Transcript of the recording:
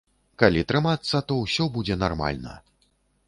Калі трымацца, то ўсё будзе нармальна.